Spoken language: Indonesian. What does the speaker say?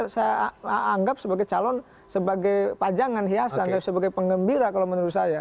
saya anggap sebagai calon sebagai pajangan hiasan sebagai pengembira kalau menurut saya